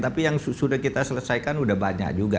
tapi yang sudah kita selesaikan sudah banyak juga